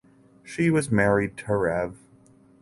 She was married to Rev.